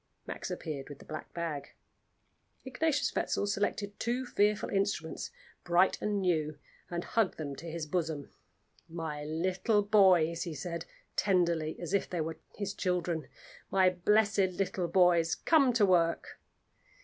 Max appeared with the black bag. Ignatius Wetzel selected two fearful instruments, bright and new, and hugged them to his bosom. "My little boys," he said, tenderly, as if they were his children; "my blessed little boys, come to work!"